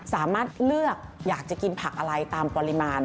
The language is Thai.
สามารถเลือกอยากจะกินผักอะไรตามปริมาณ